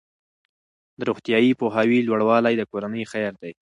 د روغتیايي پوهاوي لوړوالی د کورنۍ خیر دی.